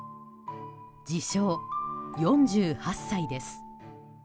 自称４８歳です。